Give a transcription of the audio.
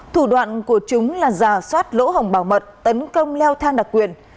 thủ đoạn của chúng là giả soát lỗ hồng bảo mật tấn công leo thang đặc quyền